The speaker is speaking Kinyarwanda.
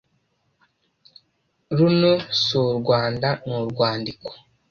Runo si u Rwanda ni urwandiko.